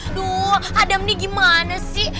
aduh adam nih gimana sih